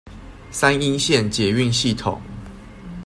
三鶯線捷運系統